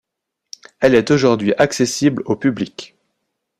Elle est aujourd'hui accessible au public.